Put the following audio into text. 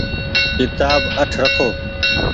ڪيتآب اٺ رکو ۔